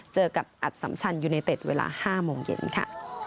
เจอกับอัดสัมชันยูเนเต็ดเวลา๕โมงเย็นค่ะ